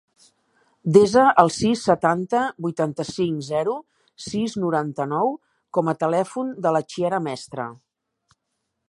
Desa el sis, setanta, vuitanta-cinc, zero, sis, noranta-nou com a telèfon de la Chiara Mestre.